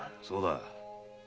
そうだ。